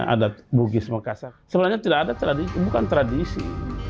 adat bu bisma kassar sebenarnya tidak ada tradisi bukan tradisi